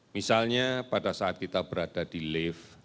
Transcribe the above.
misalnya pada saat kita berada di lift